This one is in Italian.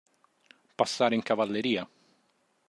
Passare in cavalleria.